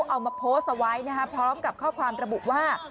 เอามาโพสต์เอาไว้พร้อมกับข้อความระบุว่า